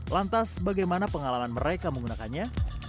lantas bagaimana pengalaman mereka menggunakannya